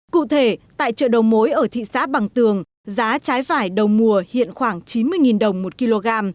cụ thể tại chợ đầu mối ở thị xã bằng tường giá trái vải đầu mùa hiện khoảng chín mươi đồng một kg